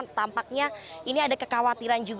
dan tampaknya ini ada kekhawatiran juga